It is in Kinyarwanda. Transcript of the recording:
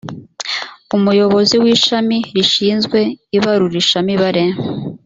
umuyobozi w ishami rishinzwe ibarurishamibare